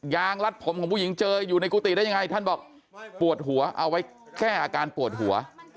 งรัดผมของผู้หญิงเจออยู่ในกุฏิได้ยังไงท่านบอกปวดหัวเอาไว้แค่อาการปวดหัว